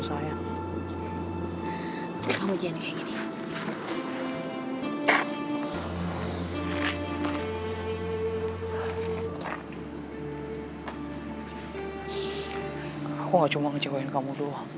semua temen temen aku